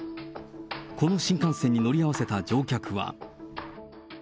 この新幹線に乗り合わせた乗客は。